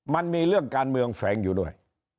มันมีเรื่องการเมืองแฝงอยู่ด้วย